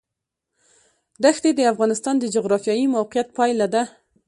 ښتې د افغانستان د جغرافیایي موقیعت پایله ده.